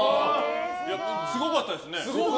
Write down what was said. すごかったですね。